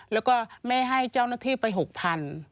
แล้วก็แม่ให้เจ้าหน้าที่ไป๖๐๐บาท